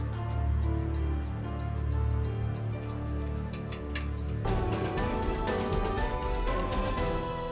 kami ingin membuat kekuatan kami